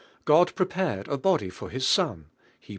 God prepared a body for His Son (Heb.